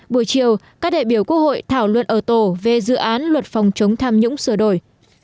buổi chiều các đại biểu quốc hội thảo luận ở tổ về dự án luật phòng chống tham nhũng sửa đổi